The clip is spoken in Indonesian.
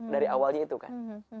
dari awalnya itu kan